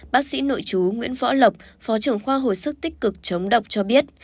bác sĩ nội chú nguyễn võ lộc phó trưởng khoa hồi sức tích cực chống độc cho biết